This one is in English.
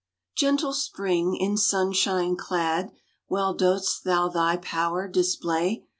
Gentle Spring! in sunshine clad, Well dost thou thy power display!